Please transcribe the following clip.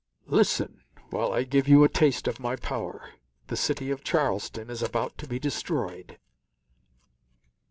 Listen, while I give you a taste of my power. The city of Charleston is about to be destroyed."